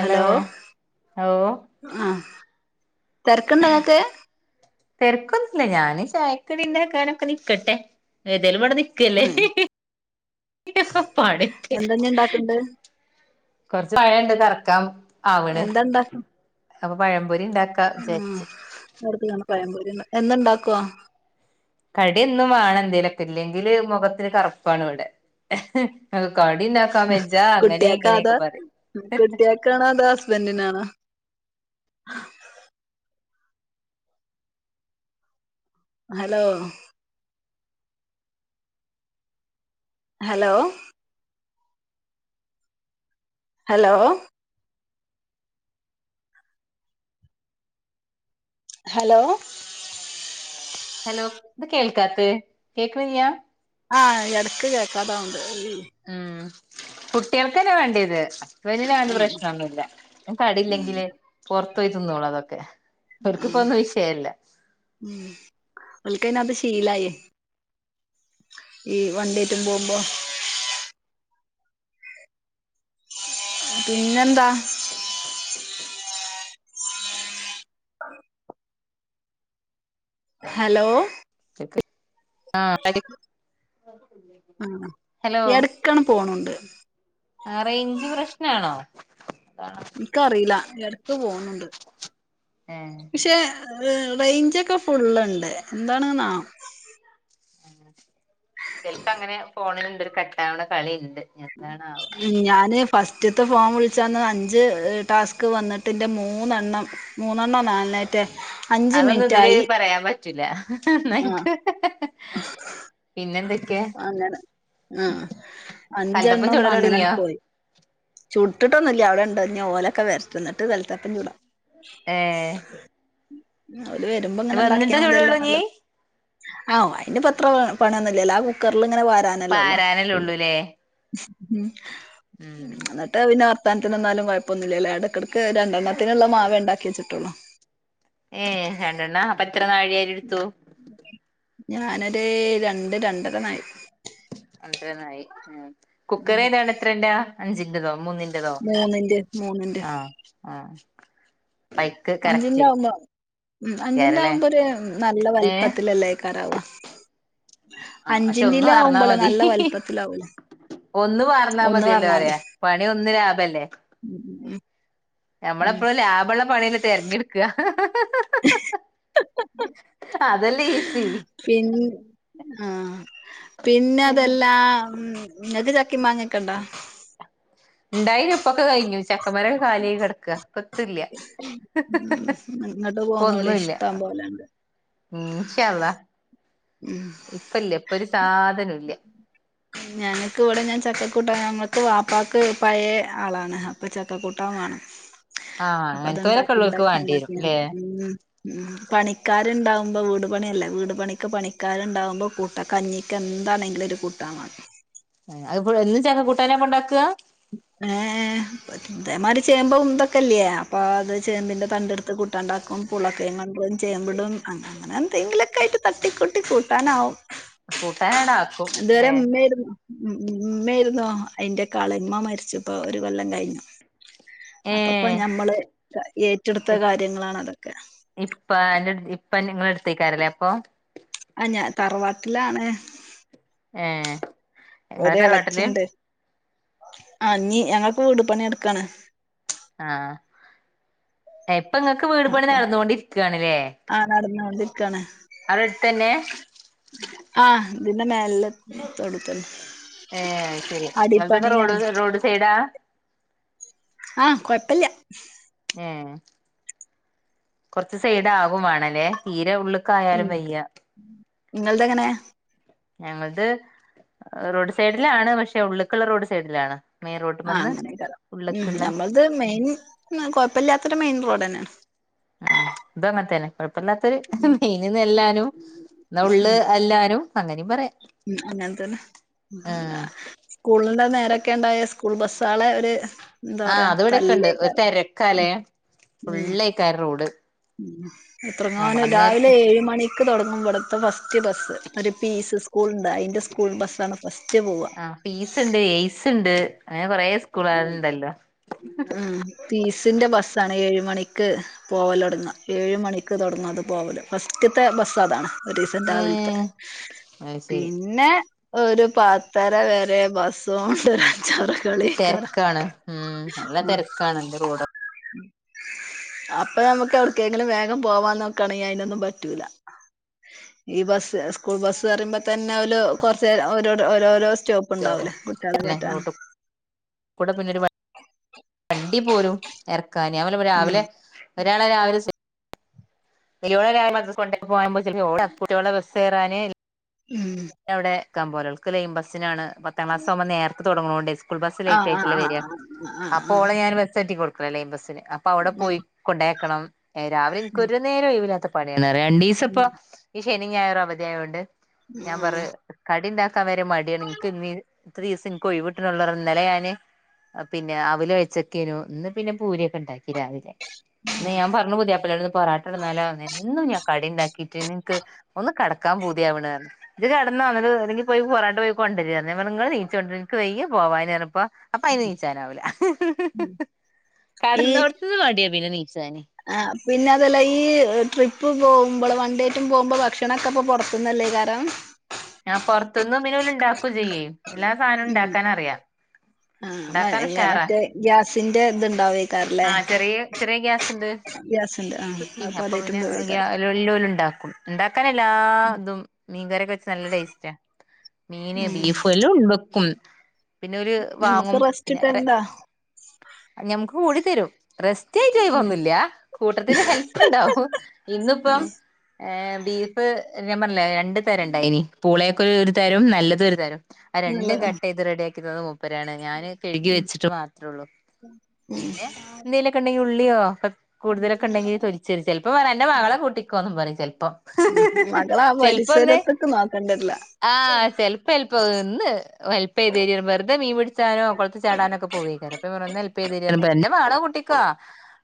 Hello ഓ ആ തെരക്കിണ്ടൊ ഇങ്ങക്ക് തെര്ക്കൊന്നുല്ല ഞാന് ചായക്കടി ഇണ്ടാക്കാനെക്കെ നിക്കട്ടെ ഏതെലും ഇവ ക്കല്ലെ പണി എന്താഞ്ഞി ഇണ്ടാക്കണ്ട് കൊർച്ച് പയണ്ട് [unintelligible] എന്താണ്ടാ അപ്പൊ പയം ഉപരി ഉണ്ടാക്ക വിചാരിച്ച് ന്ന് എന്നുണ്ടാക്കുവ കടിയൊന്നും വേണം എന്തേലുക്കെ ഇല്ലെങ്കില് മുഖത്തിന് കറുപ്പാണ് ഇവിടെ കടി ഉണ്ടാക്കാൻ വെച്ചാ അങ്ങനെ കുട്ടിയക്കാത് ഇങ്ങനെയൊക്കെ പറയും കുട്ടിയക്കണോ അതാ ഹസ്ബൻഡിന് ആണോ [inaudible] hello hello hello hello hello ഇത് കേൾക്കാത്ത കേക്കണില്ല്യ ആ ഇടക്ക് കേക്കാതാ ആ കുട്ടികൾക്കല്ല വേണ്ടിയത് ഇല്ല അതന്നും ഉം പ്രശ്നമൊന്നുമല്ല കടയില്ലെങ്കില് പൊറുത്ത് പോയി തിന്നോളൂ അതൊക്കെ അവർക്ക് അത് ഒന്നും വിഷയല്ല പിന്നെ അത് ശീലയി ഈ വണ്ടിറ്റും പോകുമ്പോ പിന്നെന്താ ഹലോ [unintelligible] ആ ഹലോ എടക്കണം പോണണ്ട് [inaudible] ആ റേഞ്ച് പ്രശ്നാണോ അതാണോ എനിക്കറിയില്ല ഇടക്ക് പോന്നുണ്ട് ഏഹ് പക്ഷെ അ് റേഞ്ച് ഒക്കെ ഫുള്ളുണ്ട് എന്താണ് നാം [unintelligible] ചിലപ്പം അങ്ങനെ ഫോണിൽ ഒരു കട്ടാവണ കളിണ് ഉം ഞാൻ ഫസ്റ്റത്തെ ഫോം വിളിച്ചന്ന് അഞ്ച് ടാസ്ക് വന്നിട്ടിൻ്റെ മൂന്നെണ്ണം മൂന്നെണ്ണ നാലത്തെ അതൊന്ന് ഇതില് പറയാൻ പറ്റ ത്തില ആഹ് പിന്നെ എന്തൊക്ക അങ്ങനെ ആഹ് കലത്തപ്പം അഞ്ചെണ്ണം ചൂടലൊടുങ്ങിയാ ഇട്ടൊന്നുമല്ല അടെണ്ട ഓലൊക്കെ വരത്ത നിട്ട് വിലത്തപ്പ ചൂടാം ഏഹ് ഉം അവര് വരുമ്പോ ഇങ്ങനെ വന്നിട്ടേ ഉണ്ടാക്കിയാൽ മതിയല്ലാ ചുടൊള്ളൂ ഇഞ്ഞ് എന്നുള്ളത് ആഹ അതിന്റെ പത്ര പണന്നല്ല കുക്കറില ഇപ്പ ആരാനല്ല ഉള്ളൂല്ലേ ഉം എന്നിട്ട് വിനോ സംസ്ഥാനത്തിന്ന്നാലും കുഴപ്പൊന്ന ഇില്ലല്ലേ ഇടക്കിടയ്ക്ക് രണ്ടെണ്ണത്തിനുള്ള മാവേ ഉണ്ടാക്കി വെച്ചിട്ടുള്ളൂ ഏ രണ്ടെണ്ണ പ എത്ര നാഴിയരി എടുത്തു ഞാനൊരു രണ്ട് രണ്ടരനായി അന്ത്േ നായി ഉം കുക്കർ ഏതാാണ് എത്രന്റെ അഞ്ചിോ മൂന്ന് ോ മൂന്നിന്റെ മൂന്നിന്റെ ആഹ ആഹ ബൈക്ക് കറക്റ്റ് ഉ അഞ്ചിറ ക്കാരല്ലേ ആവുമ്പോ ഒരു നല്ല ഏഹ് വലപ്പത്തിലല്ല ആക്കാറാവ ആഹ് പക്ഷെ ഒന്ന് അഞ്ചിറല വാർന്നാ ആകുമ്പോളെ മതി നല്ല വലപത്തിലാവല്ല ഒന്ന് വാർന്നാ ഒന്ന് മതിയല്ലോ പറഞ്ഞാൽ മതി പറയാ പണി ഒന്ന് ഞമ്മള ഉം എപ്പോഴും ലാഭമുള്ള പണില്ല തിരഞ്ഞെടുക്കുക അതെല്ല ഈസി ആഹ പിന്നെ അതെല്ലാ ഉ നഗ ചാക്കി മാങ്ങക്കണ്ടോ കഴഞ്ഞുച്ച അക്ക മരം കാലി കിടക്കുക പത്തല്ല ഉം ഇങ്ങട്ട് ഇപ്പൊ പോന്നോളി ഒന്നുംല്ല ഇഷ്ടം പോലെണ്ട് ഉ ശതാ ഉം ഇപ്പ ഇല്ല ഇപ്പൊ സാധനോല്ല ഞങ്ങക്ക് ഇവിടെ ഞാൻ ചക്കക്കുട്ട ഞങ്ങക്ക് വാപ്പാക്ക് പഴയ ആളാണ് അപ്പൊ ചക്കക്കൂട്ടാ വേണം ആഹ് അപ്പൊ അങ്ങനത്തോരൊക്കെ അത്ണ്ടാക്കിമം മം ഉള്ളോൽക്ക് ഉണ്ടാക്കി വേണ്ടിവരും ഉണ്ടാക്കി ല്ലേ ഉ ഉ പണിക്കാണ്ടാവുമ്പോ വീട് പണിയല്ലേ വീട് പണിക്ക് പണിക്കാരുണ്ടാവുമ്പോ കൂട്ട കഞ്ഞിക്ക് എന്താണെങ്കിൽ ഒരു കൂട്ടാൽ അത്ും ച കൂട്ടാനെപ്പൊണ്ടാക്കുക ഏ ഇതേമാതിരി ചേമ്പ ഉന്തൊക്കല്ലേ അപ്പൊ അത് ചേമ്പിന്റെ തണ്ടെടുത്ത് കൂട്ടാണ്ടാക്കും പുള ചെയ്യമ്പടും അങ്ങനെ എന്തെങ്കിലൊക്കെ ആയിട്ട് തട്ടിക്കൊട്ടി കൂട്ടാനാവും തണ ആക്കു ഇതുവരെ ലേ [unintelligible] ഉമ്മയായിരുന്നു ഉം ഉമ്മായിരുന്നോ അതിന്റെ കാളന്മ്മ മരിച്ചപ്പോ ഒരു കൊെല്ലം കഴിഞ്ഞു അപ്പപ്പൊ ഏഹ് ഞമ്മള് ഏറ്റെടുത്ത കാര്യങ്ങളണ അതൊക്കെ ഇപ്പ അന്റെ ഇപ്പ നിങ്ങള എടുത്തേക്കാരല്ലേ അപ്പൊ ആഹ് ഞാൻ തറവാട്ടിലാണ് ഏഹ് ഇങ്ങളെ തറവാട്ടില് ഒരളച്ചിണ്ട് ആഹ് ഞ്ഞി ഞങ്ങൾ ഇപ്പൊ വീട് പണി നടക്കാണ് ഏഹ് ഇപ്പൊ ഇങ്ങൾക്ക് വീട് പണി നടന്നുകൊണ്ടിരി ആഹ് നടന്നോണ്ടിരി ക്കാണ് അവിടെ അടുത്ത് തന്നെ ആഹ് ഇതിന്റെ മേലെത്തെ തൊടൂല് തന്നെ ഏഹ് അത് ശരി നിങ്ങൾതൊക്കെ റോഡ് റോഡ് സൈഡാ ആഹ് കൊഴപ്പല്ല ഉം കൊറച്ച് സൈഡാകും വേണല്ലേ തീരെ ഉള്ള് ക്കായാലും ഉം വയ്യ നിങ്ങളത് എങ്ങനെ ഞങ്ങളത് റോഡ് സൈഡിലാണ് പക്ഷെ ഉള്ളക്കുള്ള റോഡ് സൈഡിലാണ് മെയിൻ ആഹ് റോട്ട്മ്മന്ന് അങ്ങനെയൊക്കരം ഉം ഉള്ള്ക്ക്ള്ള നമ്മളത് മെയിൻ കൊഴപ്പമില്ലാത്ത ത്ര മെയിൻ റോഡ് തന്നെയാണ് ആഹ് ഇദും അങ്ങനെത്തേന്നെ കുഴപ്പില്ലാത്തൊരു ഉം മീൻന്ന്ല്ലാനും ഉള്ള് ഉം എല്ലാനും അങ്ങനിം പറയാം ഉം അങ്ങന തന്നെ ഉം സ്കൂളിന്റെ നേരൊക്കെ ഉണ്ടായ സ് കൂൾ ബസ്സാളെ ഒരു എന്താ ആഹ് പറയാ അത് ഇവിടെക്കെണ്ട് തല്ലേക്കാരം ഒരുത്തരക്കാലേ ഉം ഉം ഫുള്ളായിക്കാര റോഡ് ഉം ആഹ് എത്രങ്ങാനും രാവിലെ അന്നേരത്ത് ഏഴ് മണി ക്ക് തുടങ്ങുംബടുത്തെ ഫസ് പുതിയ ബസ് ഒരുപീസ് സ്കൂൾ ഉണ്ട് അതിന്റെ- സ്കൂൾ ബസ്സാണ് ഫസ്റ്റ് പോവ ആ പീസ് ഉണ്ട് എയ്സ് ഉണ്ട് അങ്ങനെ കൊറേയ് സ്കൂളകള്ണ്ടല്ലോ ഫീസിൻ്റെ ബസ്സാണ് ഏഴ് മണിക്ക് പോവല് തൊടങ്ങാ ഏഴ് മണിക്ക് തൊടങ്ങാ അത് പോവല് ഫസ്റ്റത്തെ ബസ്സ് അതാണ് ഒരു ദീസം രാവിലത്തെ ഏഹ് അത് ശരി പിന്നെ- ഒരു പത്തര വരെ ബസ്സ് ഓണ്ട് ചവറക്കു - തെരക്കാണ് ഉം നല്ല തെരക്കാണ് എന്റെ റോഡ് അപ്പൊ നമുക്ക് എവിടക്കെങ്കിലും വേഗം പോവാ നോക്കാണെങ്കിൽ അതിനൊന്നും പറ്റൂല്ല ഈ ബസ്സ് സ്കൂൾ ബസ്സ് പറയുമ്പോ തന്നെ അവ കൊറച്ച ഓരോ ഓരോരോ സ്റ്റോപ്പ് ഉണ്ടാവൂലേ കുട്ട്യാളെ [unintelligible] കേറ്റാൻ കൂടെ പിന്നെരു വണ്ടി പോരും ഞാല ഉം രാവിലെ ഒരാളെ രാവിലെ [unintelligible] [unintelligible] കുട്ടികളെ ബസ്റാന് ഉം ഇക്കൻ പോല ഒൾക്ക് ലൈും ബസിനാണ് പത്താം ക്ലാസ്കുമ്പോ നേക്ക് തുടങ്ങണോണ്ട് സ്കൂൾ ബസ് ലേറ്റ് ആഹ് ആഹ് ആയിട്ടേ വരിക ആഹ് ആഹ് ആഹ് അപ്പോ ആഹ് ആഹ് അവളടെ ഞാൻ ബസ്െട്ടിടുക്കു പ്പം ലൈൻ ബസ്സിന് അപ്പൊ അവിടെ ഉം പോയി കൊണ്ടേക്കണം ഏ രാവിലെനിക്കൊ ഒരു നേരം ആവയില്ല അത്ര രണ്ടീസപ്പം ഉം ഇഷ് ശനിം ഞായറും അവധിയായതൊണ്ട് ഞാൻ പറ ആഹ് കടിൻ ക്കാം വരെ മടിയാണ് നിനക്ക് ഇ ഇത്ര ദിവസം എനിക്ക് ഒഴിവി വിട്ടണുള്ളന്നല ഞാാന് പിന്ന അവല വെച്ചൊക്കേു ഇന്ന് പിന്നെ പൂരിയൊക്കെ ഉണ്ടാക്കി രാവിലെന്ന് ഞാൻ പറഞ്ഞു പുതിയ അപ്പവിന്ന് പൊറട്ട ഇടന്നാല എന്നും ഞാൻ കട ഉണ്ടാക്കിട്ട് നിങ്ങക്ക് ഒന്ന് കട ക്കാ പൂതിയാവ്ണ് ഇത് കിടന്നല്ലങ്കിൽ പോയി പോറാട്ട പോയി കൊണ്ടി നിങ്ങള് നീച്ചു കൊണ്ടിക്ക് വ്യ പോകാനായി ഇപ്പോ അപ്പൊ അയിന് നിച്ചാനാവൂല്ല ഉം ഈ കടന്നോടത്തത് മടിയ പിന്നെ നി ച്ചാന് ആ പിന്നെ അതല്ല ഈ ട്രിപ്പ് പോകുമ്പോൾ വൺണ്ടേറ്റും പോകുമ്പോ ഭക്ഷണൊക്കെ ഇപ്പൊ പുറത്തന്നല്ലേ കാരം ഞാൻ പുറത്തൊന്നും [unintelligible] ഇണ്ടാ ചെയും എല്ലാ സാധനവും ഉം ഉണ്ടാക്കാൻ അറിയാം ആ മ- ഉണ്ടാക്കൻ ഇങ്ങ- ഉഷാറാ മറ്റേ ഗ്യാസിന്റെ ഇത്ണ്ടാവേക്കാരല്ലേ ആഹ് ചെറിയ ചെറിയ ഗ്യാസ്ണ്ട് ഗ്യാസിന്റെ ആ കുറ്റി അപ്പൊ അതേറ്റും പോവേക്കാരം പിന്നെ്യല്ലല ഉണ്ടാക്കൂ ഉണ്ടാക്കാന എല്ലാ ഇതും മീൻകറിഒക്കെ വെച്ച് നല്ല ടേസ്റ്റാ മീന് ഉം ബീഫും എല്ലാം ഉണ്ടെക്കും പിന്നെ ഒരു നമ്മക്ക് റെസ്റ്റ് കിട്ടൽ ഇണ്ട ഞമ്മക്ക് കൂടി തരും റെസ്റ്റായി ട്ടൊന്നൂല്ല കൂട്ടത്തിൽ ഹെല്പ്പ് ഉണ്ടാവും ആ ഇന്നിപ്പം ഏ ബീഫ് ഞാൻ പറഞ്ഞ്ല്ലേ രണ്ട് തരം ഉണ്ടായിനി പൂളേക്ക് ഒരു തരും നല്ലത് ഒരു തരം ആ രണ്ടും നല്ലത് കട്ട് ചെയ്ത് റെഡിയാക്കിത്തതും പറ്യാണ് ഞൻ കഴുകി വെച്ചിട്ട് മാത്രേള്ളൂ പിന്നെ എന്തേലൊക്കെ ഉണ്ടെങ്കിൽ ഉള്ളിയോ കൂടുതലൊക്കെ ഉണ്ടെങ്കിൽ തൊ ലിച്ചെരുംചെലപ്പൊ പറിം അൻ്റെ മകളെ കുട്ടിക്കൊന്ന് പറിം ചെലപ്പം മകള ആ ചെലപ്പാന്ന് പരിസരത്ത്ക്ക് നോക്കണ്ടല്ല ആമെൽ പ്പം ഹെൽപയ്തും എ മീ പിടിച്ചാനോ കുള ചാടാനോക്കെ പോവേക്കാര അപ്പൊേറന്നന്ന് ഹെൻപെയ പിണോ കുട്ടിക്കോ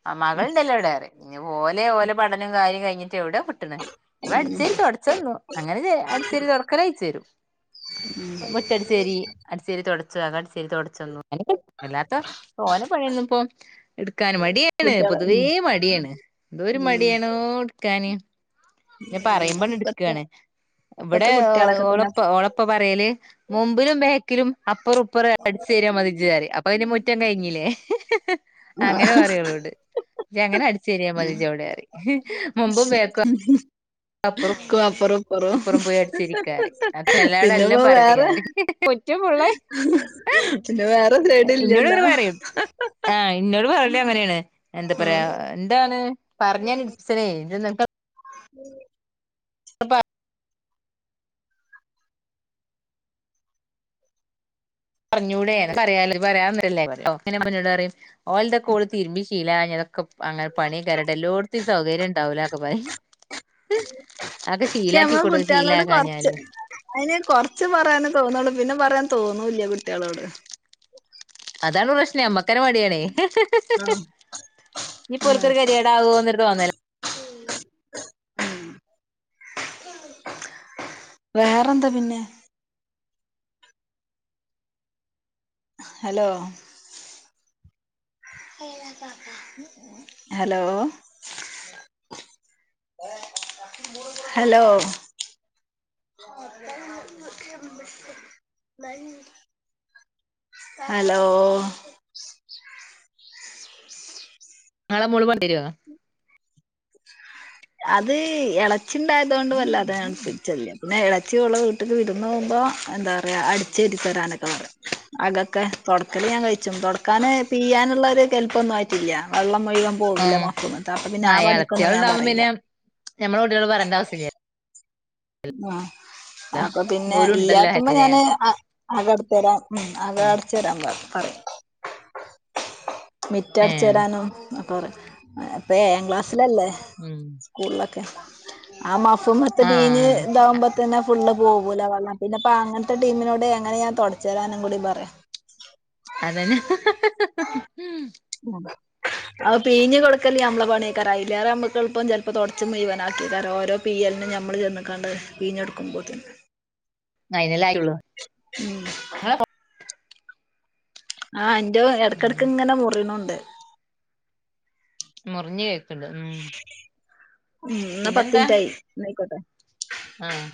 ആ മഴണ്ടല്ലൊ ടെ ഞ്ഓലെഓലെ പഠനം കാര്യം കഴിഞ്ഞു റ്റ എവിടെ പട്ട അടിച്ചേരി തുടച്ചന്നു ഇവ്ടെ കിട്ടണ്അങ്ങനെ അടിച്ചേരി തുടക്കല അയച്ചു തരും മുട്ടടിച്ചേരി അടിച്ചേരി തുട സ വട്സ് ടനല്ലാത്ത ഓന പഴിയന്നും ഇപ്പ എടുക്കാാന് മടിയാണ് കുട്ടികളെ പൊതുവേ ഉം മടിയാണ് എന്തോ ഒരു ഉം മടിയണോ എടുക്കാന് [inaudible] പറയുമ്പോ ഉം. ഇപ്പത്തെ എടുക്കയാണ് ഇവിടെ ഇപ്പത്തെ കുട്ടികളൊക്കെ ഒളെ തന്നെ ളപ്പ പറയല് മുമ്പിലും ബക്കി അപ്പറ ഇപ്പറംഅടിച്ചു വാര്യാ മതിജ്പറിം അപ്പൊ അതിന്റെ മുറ്റം കഴിഞ്ഞില്ലേ ആ അങ്ങനെ പറി ഓളോട് ഇജ്ജനടിച്ച് ചെനയേ ഉം മലഞ്ചോടെന്നറിം മുമ്പും വേക്ക കുനപ്പുറം അപ്പറം പോയി അടിച്ചു വാരിക്കാ ന റിം ' എല്ലാതെല്ലം പിന്നെപ്പോ പറി വേറെ എന കുറ്റുള്ളത് പിന്നെ വേറെ സൈഡ് ഇല്ലല്ലോ ഇങ്ങള്ങ്ങട്ട് പറിം ഇങ്ങ് പറയല് ഇങ്ങനാണ് എന്താ ഉം പറയാ എന്താണ് പറഞാണ്ട് ഇ്ട് പിച്ചന്നെ നന്നത്ത ഉം പറഞ്ഞൂടെ അനക്ക് അറിയിലൊ ഇജ് പറയാതി ന്ന്ട്ടല്ലെ അത് കഴിഞ്ഞിട്ട് ഇന്നോട് പറി മഞ്ഞോട് പറയും ഓൾന്ത കോൾ തതിരുമ്പി ശീല അതൊക്കെ അങ്ങനെ പണിയ കയറട്ട് എല്ലോടത്തും സൗകര്യം ഉണ്ടാവലോ ഒക്കെ പറ ക്ഷമ്മ കുട്ടികളോട് കൊറച്ച് ശീലാക്കാഞ്ഞാല് അതിന് കൊറച്ച് പറയാണ് തോന്നള്ളൂ പിന്നെ പറയാൻ തോന്നൂല കുട്ടികളോട് അതാണ് പ്രശ്നേ അമ' മടിയണേ ആഹ് നീ ആണ് പോലക്കരു കരിയട ആകന്ന്ിട്ട് തോന്നല്ലേ വേറെന്താ പിന്നെ ഹലോ ഹലോ ഹലോ ഹലോ ശ്ചിവി വി നാളെ മൂള് വണ്ടി വരോ അത് എള ച്ചി ഉണ്ടായതുകൊണ്ട് വല്ലാതെ ഞാൻ പിജലില്ല പിന്നെഎളേ ച്ചി ഓളെ വീട്ടിക്‌ വിരുന്ന് പോകുമ്പോൾ എന്താ പറയാ അടിച്ചരിത്തരാനൊക്കെ പറിം അകൊക്കെ തുടക്കൽ ഞാൻ കഴിച്ചും തുടക്കാന് പീയാനുള്ള ഒരു കല്പ് ഒന്നും ആയിട്ടില്ല വെള്ളം മുഴുവൻ പോവില്ല ആഹ് മോഫ്ന്ന് താത്ത പിന്നെ ആ പണിക്കൊന്നും വേം പറീല്ല ഞമ്മള കുട്ടിയോളൊട് പറയണ്ട അവ്സല്ല്യ ആഹ് അപ്പൊ പിന്നെ ഓലും ഉണ്ടല്ലോ ഇല്ലാത്തുമ്പോ ഞാന് ഏഹ് ആ അതടുത്തേലാ മ് അക അട്ച്ചരാമ്പറിം പറിം മിറ്റട് ച്ചരാനും ആ പറി അപ്പേ എഴാം ക്ലാസ് ല ല്ലേ ഉം സ്കൂളിലക് ആമ്മ കുമ്മത്തെ ബീഞ്ഞ് ആഹ് ലാവുമ്പ തന്നെ ഫുള്ള് ല്ലാ പോകൂല വെള്ളം പിന്നെപ്പ അങ്ങനത്തെ ടീമിനോട് എങ്ങനെ ഞാൻ തൊടച്ച് തരാനും കൂടി പറയാ അതന്നെ അത് പീഞ്ഞ് കൊടുക്കല് ഞമ്മളെ പണിയേക്കാരം അയില്ലേറെ ഞമ്മക്ക് എൾപ്പം ചെൽപ്പം തുടച്ച് മുഴവനാക്കേക്കാരം ഓരോ പീയലിനും ഞമ്മള് ചെന്ന്കാണ്ട് പീഞ്ഞ് കൊടുക്കുമ്പോത്തിന് നയിനല്ലെ ആയിറ്റൊള്ളു [unintelligible] ആഹ് [unintelligible] [unintelligible] ഉം ഇടക്കിടക്ക് ഇങ്ങെനെ മുറിണൂണ്ട് മുറിഞ്ഞു കേക്ക്ണ്ട് ഉം ഉം എന്നാ പത്ത് പിന്നെന്താ മിനിറ്റ് ആയി എന്നായിക്കോട്ടെ ആഹ്